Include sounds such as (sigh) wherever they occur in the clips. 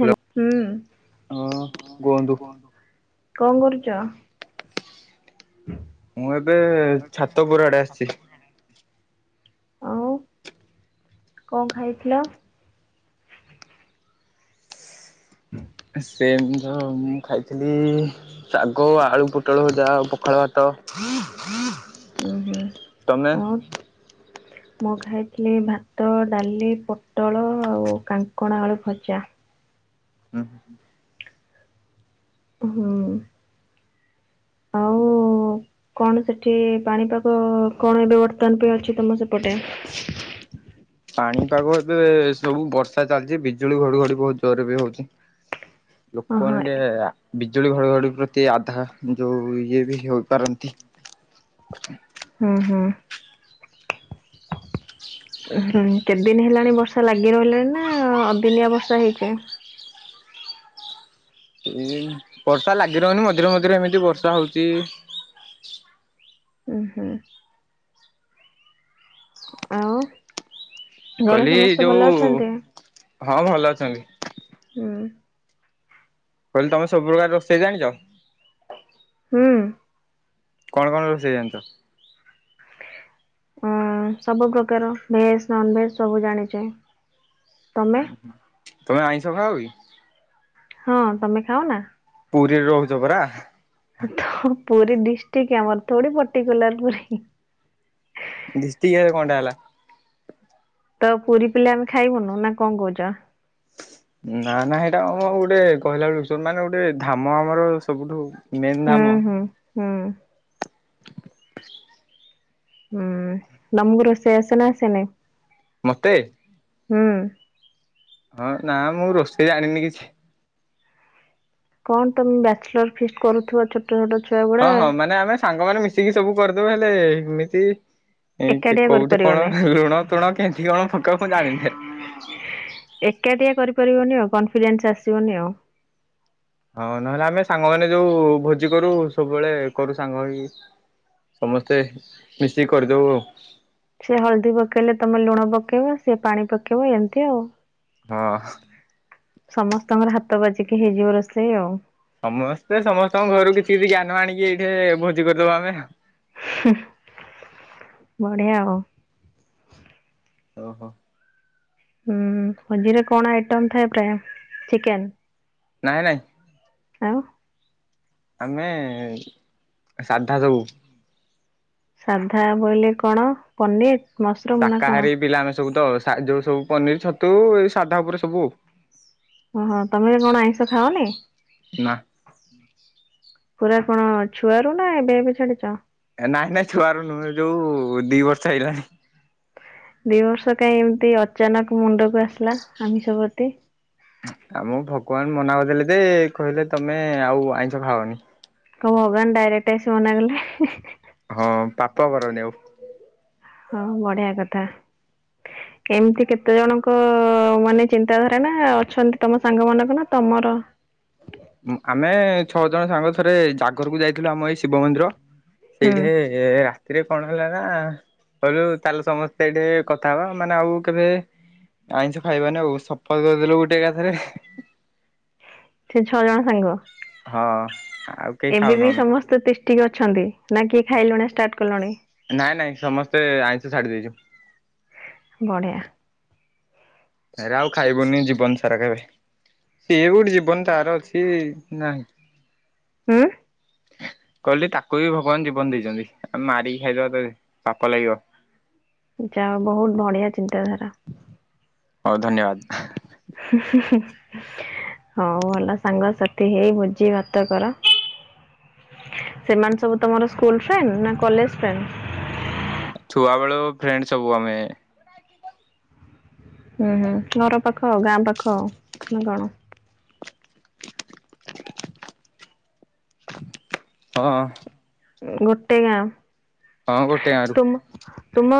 ହା ହୁଁ ହଁ କୁହନ୍ତୁ। କଣ କରୁଚ? ମୁଁ ଏବେ ଛାତ ଘର ଆଡେ ଆସିଚି। ଆଉ କଣ ଖାଇଥିଲ? ସେମିତି ତ ମୁଁ ଖାଇଥିଲି ଶାଗ, ଆଳୁ ପୋଟଳ ଭଜା ଆଉ ପଖାଳ ଭାତ। ଉୁଁ ହୁଁ ତମେ ଆଉ ମୁଁ ଖାଇଥିଲି ଭାତ ଡାଲି ପୋଟଳ ଆଉ କାଙ୍କଣ ଆଳୁ ଭଜା। ହୁଁ। ଉଁ ହୁଁ। ଆଉ କଣ ସେଠି ପାଣିପାଗ କଣ ଏବେ ବର୍ତ୍ତମାନ ପାଇଁ ଅଛି ତମ ସେପଟେ? ପାଣିପାଗ ଏବେ ସବୁ ବର୍ଷା ଚାଲିଚି ବିଜୁଳି ଘଡଘଡି ବୋହୁତ ଜୋରରେ ବି ହୋଉଚି। ଲୋକମାନେ ଓହୋ ଟିକେ ଆ ବିଜୁଳି ଘଡଘଡି ପ୍ରତି ଆଧା ଯୋଉ ଇଏ ବି ହୋଇପାରନ୍ତି। ହୁଁ ହୁଁ। ଉଁ ହୁଁ କେତେଦିନ ହେଲାଣି ବର୍ଷା ଲାଗିରହିଲାଣି ନା ଅଦିନିଆ ବର୍ଷା ହେଇଚି? ବର୍ଷା ଲାଗି ରହୁନି ମଝିରେ ମଝିରେ ଏମିତି ବର୍ଷା ହୋଉଚି। ଉଁ ହୁଁ। ଆଉ ଘରେ କହିଲି ସମସ୍ତେ ଯୋଉ ଭଲ ଅଛନ୍ତି? ହଁ ଭଲ ଅଛନ୍ତି ହୁଁ। କହିଲି ତମେ ସବୁ ପ୍ରକାର ରୋଷେଇ ଜାଣିଚ? ହୁଁ। କଣ କଣ ରୋଷେଇ ଜାଣିଚ? ଉଁ ସବୁ ପ୍ରକାର ଭେଜ ନନ୍ ଭେଜ ସବୁ ଜାଣିଚି। ତମେ ତମେ ଆଇଁଷ ଖାଅ କି? ହଁ ତମେ ଖାଅନା? ପୁରିରେ ରହୁଚ ପରା। ତ ପୁରି ଡିଷ୍ଟିକ୍ ଆମର ଥୋଡି ପର୍ଟିକୁଲାର ପୁରି ହୁଁ। ଡିଷ୍ଟିକ୍ ହେ କଣଟା ହେଲା। ତ ପୁରି ପିଲା ଆମେ ଖାଇବୁନୁ ନା କଣ କୋହୁଚ? ନା ନା ହେଇଟା ଆମ ଗୋଟେ କହିଲା ବେଳକୁ ସୁ ମାନେ ଗୋଟେ ଧାମ ଆମର ସବୁଠୁ ମେନ୍ ହୁଁ ଧାମ। ହୁଁ ହୁଁ। ହୁଁ ତମକୁ ରୋଷେଇ ଆସେନା ଆସେନି? ମତେ ହୁଁ। ହଁ ନା ମୁଁ ରୋଷେଇ ଜାଣିନି କିଛି। କଣ ତମେ ବ୍ୟାଚଲର ଫିଷ୍ଟ କରୁଥିବ ଛ ହଁ ହଁ ମାନେ ଆମେ ସାଙ୍ଗମାନେ ମିଶିକି ସବୁ କରିଦେବୁ ହେଲେ ଏମିତି ଏ କେ ଏକାଠିଆ କୋଉଠି ହେଁ କଣ କରିପାରିବନି ଲୁଣ ତୁଣ କେମତି କଣ ପକାଅ ମୁଁ ଜାଣିିନି। ଏକାଟିିଆ କରିପାରିବନି ଆଉ କନଫିଡେନ୍ସ ଆସିବନି ଆଉ। ହଁ ନହେଲେ ଆମେ ସାଙ୍ଗମାନେ ଯୋଉ ଭୋଜି କରୁ ସବୁବେଳେ କରୁ ସାଙ୍ଗ ହେଇକି। ସମସ୍ତେ ମିଶିକି କରିଦେବୁ ଆଉ। ସିଏ ହଳଦୀ ପକାଇଲେ ତୁମେ ଲୁଣ ପକାଇବ ସିଏ ପାଣି ପକାଇବ ଏମିତି ଆଉ। ହଁ। ସମସ୍ତଙ୍କର ହାତ ବାଜିକି ହେଇଯିବ ରୋଷେଇ ଆଉ। ସମସ୍ତେ ସମସ୍ତଙ୍କ ଘରୁ କିଛି କିଛି ଜ୍ଞାନ ଆଣିକି ଏଇଠି ଭୋଜି କରିଦବୁ ଆମେ ଆଉ। ହୁଁ। ବଢିଆ ଆଉ। ଓହ। ହୁଁ ଭୋଜିରେ କଣ ଆଇଟମ ଥାଏ ପ୍ରାୟ। ଚିକେନ? ନାଇଁ ନାଇଁ। ଆଉ? ଆମେ ସାଧା ସବୁ। ସାଧା ବୋଇଲେ କଣ ପନିର? ମସରୁମ ନା କଣ? ଶାକାହାରି ପିଲା ଆମେ ସବୁ ତ ସା ଯୋଉ ସବୁ ପନିର ଛତୁ ଏଇ ସାଧା ଉପରେ ସବୁଉ। ଓହୋ ତମେ କଣ ଆଇଁଷ ଖାଅନି? ନା ପୁରା କଣ ଛୁଆରୁ ନା ଏବେ ଏବେ ଛାଡିଛ? ନାଇଁ ନାଇଁ ଛୁଆରୁ ନୁହେଁ ଯୋଉ ଦି ବର୍ଷ ହେଇଲାଣି। ଦି ବର୍ଷ କାଇ ଏମିତି ଅଚାନକ ମୁଣ୍ଡକୁ ଆସିଲା ଆମିଷ ପ୍ରତି? ଆମ ଭଗବାନ ମନା କରିଦେଲେ ଯେ କହିଲେ ତମେ ଆଉ ଆଇଁଷ ଖାଅନି। କଣ ଭଗବାନ ଡାଇରେକ୍ଟ ଆସି ମନାକଲେ? ହଁ ପାପ କରନି ଆଉ। ହଁ ବଢିଆ କଥା। କେମିତି କେତେ ଜଣଙ୍କ ମାନେ ଚିନ୍ତାଧାରା ନା ଅଛନ୍ତି ତମ ସାଙ୍ଗ ମାନଙ୍କ ନା ତମର ଆମେ ଛଅ ଜଣ ସାଙ୍ଗ ଥରେ ଜାଗରକୁ ଯାଇଥିଲୁ ଆମ ଏଇ ଶିବ ମନ୍ଦିର ହୁଁ। ସେଇଠି ଏ ରାତିରେ କଣ ହେଲା ନା କହିଲୁ ଚାଲ ସମସ୍ତେ ଏଠି କଥା ହବା ମାନେ ଆଉ କେବେ ଆଇଁଷ ଖାଇବାନି ଆଉ ଶପଥ କରିଦେଲୁ ଗୋଟେ ଏକାଥରେ। ସେ ଛଅ ଜଣ ସାଙ୍ଗ? ହଁ। ଆଉ କେହି ଏବେ ଖାଉନୁ ବି ଆମେ ସମସ୍ତେ ତିଷ୍ଠିକି ଅଛନ୍ତି ନା କିଏ ଖାଇଲଣି ଷ୍ଟାର୍ଟ କଲଣି? ନାଇଁ ନାଇଁ ସମସ୍ତେ ଆଇଁଷ ଛାଡି ଦେଇେଇଛୁ। ବଢ଼ିଆ। ହେରା ଆଉ ଖାଇବୁନି ଜୀବନ ସାର କେବେ। ସିଏ ଗୋଟେ ଜୀବନ ତାର ଅଛି ନାହିଁ ଉୁଁ। କହିଲି ତାକୁ ବି ଭଗବାନ ଜୀବନ ଦେଇଛନ୍ତି ଆମେ ମାରିକି ଖାଇଦେବା ତ ପାପ ଲାଗିବ। ଯା ହଉ ବହୁତୁ ବଢିଆ ଚିନ୍ତାଧାରା। ହଉ ଧନ୍ୟବାଦ। ହୁଁ ହୁଁ ହୁଁ। ହଉ ଭଲ ସାଙ୍ଗସାଥି ହେଇ ଭୁଜି ଭାତ କର। ସେମାନେ ସବୁ ତମର ସ୍କୁଲ ଫ୍ରେଣ୍ଡ ନା କଲେଜ ଫ୍ରେଣ୍ଡ? ଛୁଆ ବେଳୁ ଫ୍ରେଣ୍ଡ ସବୁ ଆମେ। ହୁଁ ହୁଁ ଘର ପାଖ ଆ ଗାଁ ପାଖ ଆ ନା କଣ? ହଁ। ଗୋଟେ ଗାଁ ହଁ ଗୋଟେ ଗାଁରୁ ତୁମ ତୁମ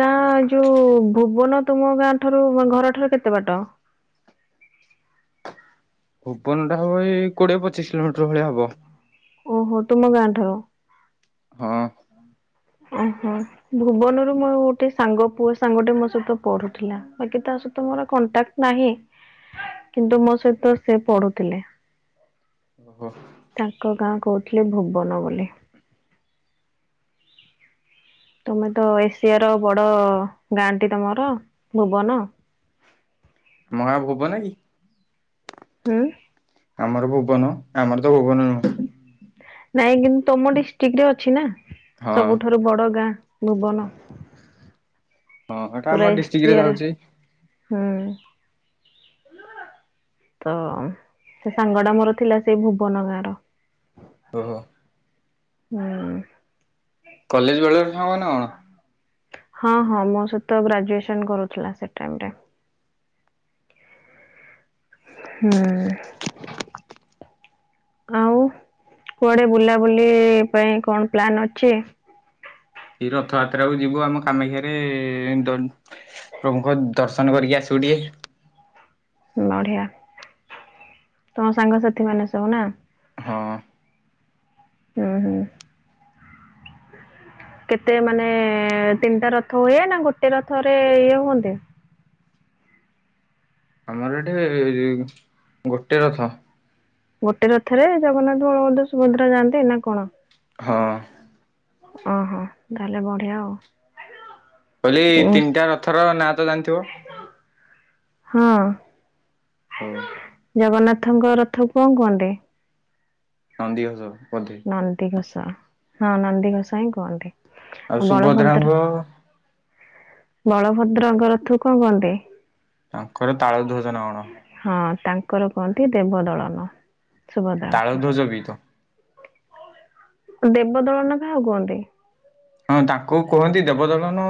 ଗାଁ ଯୋଉ ଭୁବନ ତୁମ ଗାଁ ଠାରୁ ଘରଠାରୁ କେତେ ବାଟ? ଭୁବନଟା ହବ ଏଇ କୋଡ଼ିଏ ପଚିଶ କିଲୋମିଟର ଭଳିଆ ହବ। ଓହୋ ତୁମ ଗାଁ ଠାରୁ ହଁ। ଆଜ୍ଞା। ଭୁବନରୁୁ ମୋର ଗୋଟେ ସାଙ୍ଗ ପୁଅ ସାଙ୍ଗଟେ ମୋ ସହିତ ପଢୁଥିଲା ବାକି ତା ସହିତ ମୋର କଣ୍ଟାକ୍ଟ ନାହିଁ କିନ୍ତୁ ମୋ ସହିତ ସେ ପଢୁଥିଲେ। ଓହୋ। ତାଙ୍କ ଗାଁ କହୁଥିଲେ ଭୁବନ ବୋଲି। ତମେ ତ ଏସିଆର ବଡ ଗାଁଟି ତମର ଭୁବନ। ଆମଗାଁ ଭୁବନନ କି? ହୁଁ। ଆମର ଭୁବନ ଆମର ତ ଭୁବନ ନୁହୁଁ। ନାଇଁ କିନ୍ତୁ ତମ ଡିଷ୍ଟ୍ରିକ୍ଟ ରେ ଅଛି ନା ହଁ ସବୁଠାରୁ ବଡ ଗାଁ ଭୁବନ। ହଁ ହ ଏଟା ପୁରା ଆମ ଡିଷ୍ଟ୍ରିକ୍ଟ ରେ ଏସିଆରେ ଯାଉଛି ହୁଁ। ତ ସେ ସାଙ୍ଗ ଟା ମୋର ଥିଲା ସେଇ ଭୁବନ ଗାଁର। ଓହୋ। ହୁଁ। କଲେଜ ବେଳରେ ସାଙ୍ଗ ନା କଣ? ହଁ ହଁ ମୋ ସହିତ ଗ୍ରାଜୁଏସନ କରୁଥିଲା ସେ ଟାଇମରେ। ହୁଁ। ଆଉ କୁଆଡେ ବୁଲାବୁଲି ପାଇଁ କଣ ପ୍ଲାନ ଅଛି? ଏ ରଥଯାତ୍ରା କୁ ଯିବୁ ଆମ କାମାକ୍ଷାରେ ଦ ପ୍ରମୁଖ ଦର୍ଶନ କରିକି ଆସିବୁ ଟିକଏ ବଢିଆ ତମ ସାଙ୍ଗସାଥି ମାନେ ସବୁ ନା ହଁ ହୁଁ ହୁଁ କେତେ ମାନେ ତିନିଟା ରଥ ହୁଏ ନା ଗୋଟେ ରଥରେ ଇଏ ହୁଅନ୍ତି। ଆମର ଏଠେ ଗୋଟେ ରଥ ଗୋଟେ ରଥରେ ଜଗନ୍ନାଥ ବଳବଧ ସୁଭଦ୍ରା ଯାଆନ୍ତି ନା କଣ? ହଁ। ଓହୋ ତାହେଲେ ବଢିଆ ଆଉ। କହିଲି ଉଁ ତିନିଟା ରଥର ନାଁ ତ ଜାଣିଥିବ? ହଁ ହଉ ଜଗନ୍ନାଥଙ୍କ ରଥକୁ କଣ କୁହନ୍ତି? ନନ୍ଦିଘୋଷ ବୋଧେ ନନ୍ଦି ଘୋଷ ହଁ ନନ୍ଦିଘୋଷ ହିଁ କୁହନ୍ତି। ଆଉ ସୁଭଦ୍ରାଙ୍କ ବଳଭଦ୍ରଙ୍କର ରଥକୁ କଣ କହନ୍ତି? ତାଙ୍କର ତାଳ ଧ୍ୱଜ ନା କଣ? ହଁ ତାଙ୍କର କୁହନ୍ତି ଦେବ ଦଳନ ତାଳ ଧ୍ୱଜ ବିତ। ଦେବ ଦଳନ କାହାକୁ କୁହନ୍ତି? ହଁ ତାଙ୍କୁ କୁହନ୍ତି ଦେବଦଳନ।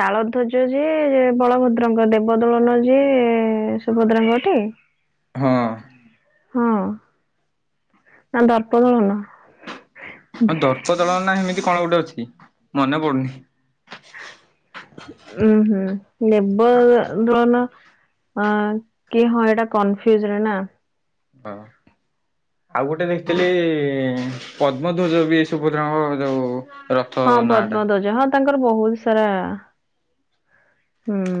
ତାଳଧ୍ୱଜ ଯିଏ ବଳଭଦ୍ରଙ୍କ ଦେବଦୋଳନ ଯିଏ ସୁଭଦ୍ରାଙ୍କ ତ? ହୁଁ। ହଁ ନାଁ ଦର୍ପଦଳନ। ହଁ ଦର୍ପଦଳନା ହେମିତି କଣ ଗୋଟେ ଅଛି ମନେ ପଡୁନି ଉ ହୁଁ ଦେବଦଳନ। ହଁ କି ହଁ ଏଟା କନଫ୍ୟୁଜରେ ନା? ବା। ଆଉ ଗୋଟେ ଦେଖିଥିଲି ଇ ପଦ୍ମଧ୍ୱଜ ବି ସୁଭଦ୍ରାଙ୍କର ଯୋଉ ରଥ ହଁ ନାଁ ଟା ପଦ୍ମ ଧ୍ୱଜ ହଁ ତାଙ୍କର ବହୁତ ସାରା ହୁଁ।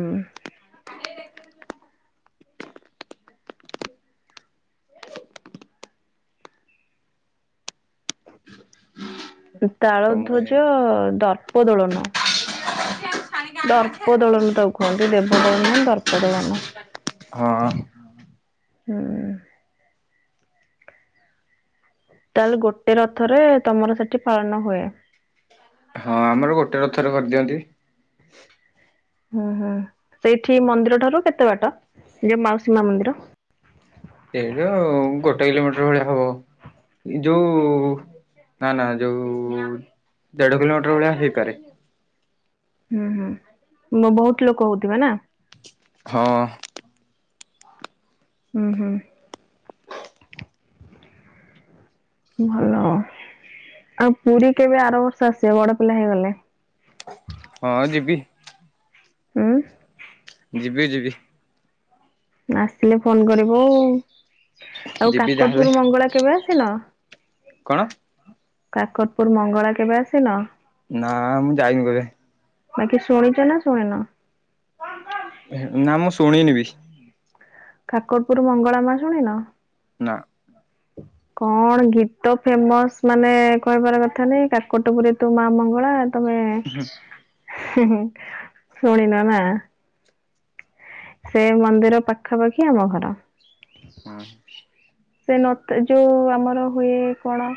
ତାଳ ସମୟ ଧ୍ୱଜ ହେଇନି ଦର୍ପ ଦୋଳନ। ଦର୍ପ ଦଳନ ତାକୁ କୁହନ୍ତି ଦେବ ଦଳନ ଦର୍ପ ଦଳନ। ହଁ। ହୁଁ। ତାହେଲେ ଗୋଟେ ରଥରେ ତମର ସେଠି ପାଳନ ହୁଏ। ହଁ ଆମର ଗୋଟେ ରଥରେ କରିଦିଅନ୍ତି। ହୁଁ ହୁଁ ସେଇଠି ମନ୍ଦିର ଠାରୁ କେତେ ବାଟ ଯଉ ମାଉସୀ ମା ମନ୍ଦିର। ସେଇଟା ଗୋଟେ କିଲୋମିଟର ଭଳିଆ ହବ। ଯୋଉ ନା ନା ଯୋଉ ଦେଢ କିଲୋମିଟର ଭଳିଆ ହେଇପାରେ। ହୁଁ ହୁଁ ବହୁତ ଲୋକ ହଉଥିବେ ନା? ହଁ। ହୁଁ ହୁଁ। ଭଲ ଆଉ ପୁରୀ କେବେ ଆର ବର୍ଷ ଆସିବ ବଡ ପିଲା ହେଇଗଲେ। ହଁ ଯିବି। ହୁଁ। ଯିବି ଯିବି। ଆସିଲେ ଫୋନ କରିବୁ ଆଉ ଯିବି ତାହେଲେ କାକଟପୁର ମଙ୍ଗଳା କେବେ ଆସିନ। କଣ। କାକଟପୁର ମଙ୍ଗଳା କେବେ ଆସିନ। ନା ମୁଁ ଯାଇନି କେବେ। ଏଟି ଶୁଣିଛ ନା ଶୁଣିନ। ନା ମୁଁ ଶୁଣିନି ବିି। କାକଟପୁର ମଙ୍ଗଳା ମା ଶୁଣିନ। ନା କଣ ଗୀତ ଫେମସ ମାନେ କହିବାର କଥା ନାଇଁ କାକଟପୁରେ ତୁ ମା ମଙ୍ଗଳା। ତମେ ହେଁ ହେଁ ଶୁଣିନ ନା। ସେ ମନ୍ଦିର ପାଖାପାଖି ଆମ ଘର। ହୁଁ। ସେ ନ ଯେଉଁ ଆମର ହୁଏ କଣ?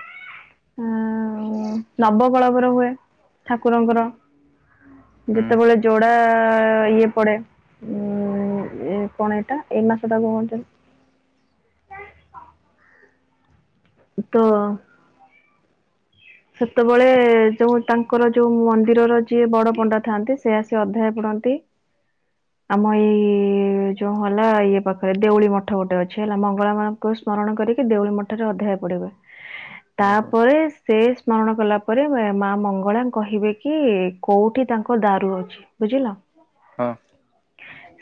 ହୁଁ ନବ କଳବର ହୁଏ ଠାକୁରଙ୍କର। ହୁଁ ଯେତେ ବେଳେ ଜୋଡା ଇଏ ପଡେ କଣ ଏଇଟା ଏଇ ମାସ ଟା କଣ ଚାଲିଛି। ତ। ସେତେ ବେଳେ ଯଉ ତାଙ୍କର ଯଉ ମନ୍ଦିରର ଯିଏ ବଡ଼ ପଣ୍ଡା ଥାଆନ୍ତି ସେ ଆସି ଅଧ୍ୟାୟ ପଡ଼ନ୍ତି। (inaudible) ଆମ ଏଇ ଯୋଉ ହେଲା ଇଏ ପାଖରେ ଦେଉଳି ମଠ ଗୋଟେ ଅଛି ହେଲା ମଙ୍ଗଳା ମା କୁ ସ୍ମରଣ କରିକି ଦେଉଳି ମଠରେ ଅଧାୟ ପଡିବେ। (inaudible) ତାପରେ ସେ ସ୍ମରଣ କଲା ପରେ ମା ମଙ୍ଗଳା କହିବେ କି କୋଉଁଠି ତାଙ୍କ ଦାରୁ ଅଛି। ବୁଝିଲ। ହଁ।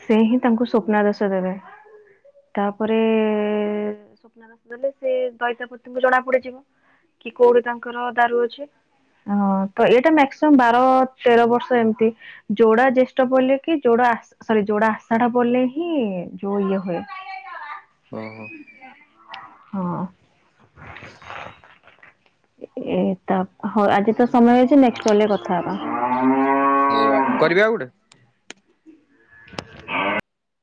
ସେ ହିଁ ତାଙ୍କୁ ସ୍ୱପ୍ନା ବେଷ ଦେବେ। ତାପରେ ସ୍ୱପ୍ନା ବେଷ ଦେଲେ ସେ ଦଇତାପତିଙ୍କୁ ଜଣା ପଡିଯିବ। କି କୋଉଠି ତାଙ୍କର ଦାରୁ ଅଛି ତ ଏଇଟା ମ୍ୟାକ୍ସିମମ୍ ବାର ତେର ବର୍ଷ ଏମିତି ଯୋଡା ଜେଷ୍ଟ ପଡିଲେକି ଯୋଡା ସରି ଯୋଡା ଆଷାଢା ପଲେ ହିଁ ଯୋଉ ଇଏ ହୁଏ। ଓହୋ। ହଁ। ଏ ତା ହଉ ଆଜି ତ ସମୟ ହେଇଛି ନେଷ୍ଟେ କଲରେ କଥା ହବା। ହଉ ଆଉ କରିବେ ଆଉ ଗୋଟେ। (inaudible)